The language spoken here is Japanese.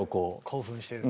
興奮してる。